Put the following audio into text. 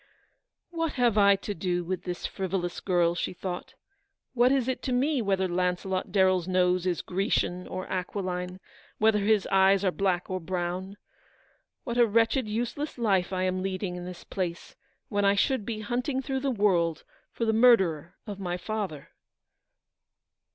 " What have I to do with this frivolous girl ?" she thought ;" what is it to me whether Launcelot Darrein s nose is Grecian or aquiline, whether his eyes are black or brown ? What a wretched, use less life I am leading in this place, when I should be hunting through the world for the murderer of my father.